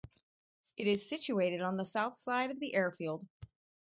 It is situated on the south side of the airfield.